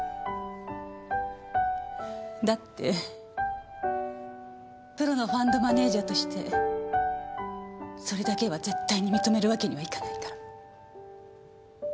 だってプロのファンドマネージャーとしてそれだけは絶対に認めるわけにはいかないから。